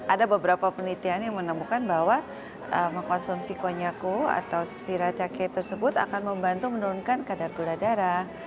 ada beberapa penelitian yang menemukan bahwa mengkonsumsi konyaku atau siratake tersebut akan membantu menurunkan kadar gula darah